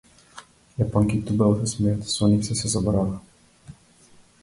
Јапонките убаво се смеат, со нив сѐ се заборава.